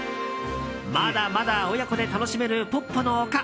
まだまだ親子で楽しめるポッポの丘。